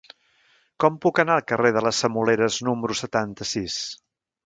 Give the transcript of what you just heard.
Com puc anar al carrer de les Semoleres número setanta-sis?